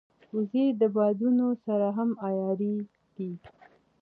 وزې د بادونو سره هم عیارېږي